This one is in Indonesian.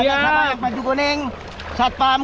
yang maju kuning satpam keamanan